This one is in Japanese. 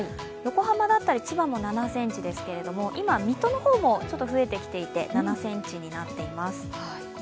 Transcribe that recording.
横浜だったり千葉も７ｃｍですけれども、今、水戸の方もちょっと増えてきていて７ｃｍになっています。